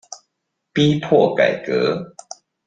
逼迫改革